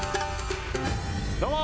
どうも！